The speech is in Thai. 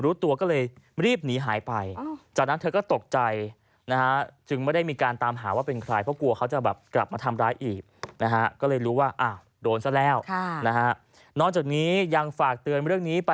ละครหนี้ก็มีผู้ชายคนนึง